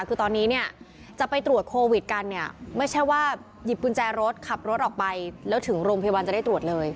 คือตอนนี้เนี่ยจะไปตรวจโควิดกันเนี่ยไม่ใช่ว่าหยิบกุญแจรถขับรถออกไปแล้วถึงโรงพยาบาลจะได้ตรวจเลย